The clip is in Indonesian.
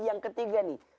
yang ketiga nih